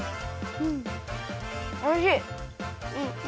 うんおいしい。